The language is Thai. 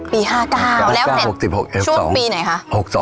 ปี๕๙กล้า๑๙๖๖ช่วงปีไหนคะ